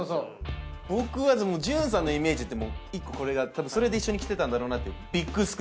僕はＪＵＮさんのイメージって１個これが。それで一緒に来てたんだろうなって。